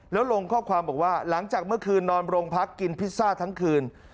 แล้วลงข้อความบอกว่าหลังจากเมื่อคืนนอนโรงพักกินพิซซ่าทั้งคืน